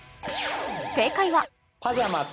正解は